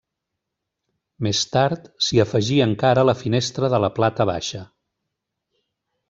Més tard s'hi afegí encara la finestra de la plata baixa.